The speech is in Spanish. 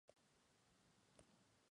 Además, obtuvo la plata en las anillas.